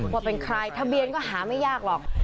ว่าเป็นใครทะเบียนก็หาไม่ยากหรอก